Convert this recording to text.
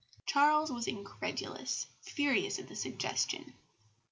Charles was incredulous, furious at the suggestion.